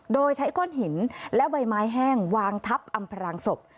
โดยใช้ก้อนหินและใบไม้แห้งวางทับอำพรางศพ